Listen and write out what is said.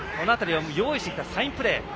用意してきたサインプレー。